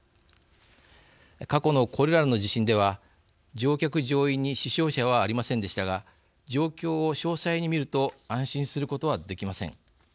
過去の、これらの地震では乗客、乗員に死傷者はありませんでしたが状況を詳細に見ると安心することはできません。